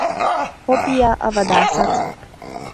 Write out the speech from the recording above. Hobbija a vadászat.